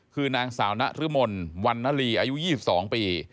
คือนางสาวนรมนวันนลีอายุ๒๒ปี